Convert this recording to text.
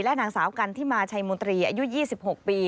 นางสาวกันทิมาชัยมนตรีอายุ๒๖ปี